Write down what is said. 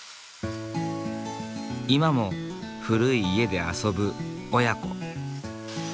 今も古い家で遊ぶ親子。